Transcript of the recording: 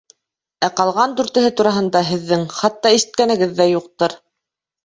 Ә ҡалған дүртеһе тураһында һеҙҙең хатта ишеткәнегеҙ ҙә юҡтыр.